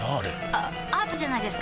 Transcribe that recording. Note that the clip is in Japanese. あアートじゃないですか？